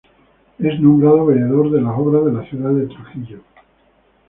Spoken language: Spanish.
Es nombrado veedor de las obras de la ciudad de Trujillo.